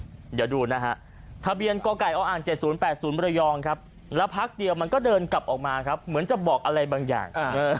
เดี๋ยวดูนะฮะทะเบียนกไก่ออ่าง๗๐๘๐ระยองครับแล้วพักเดียวมันก็เดินกลับออกมาครับเหมือนจะบอกอะไรบางอย่าง